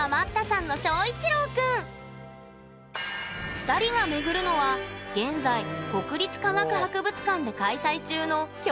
２人がめぐるのは現在国立科学博物館で開催中の「恐竜博」！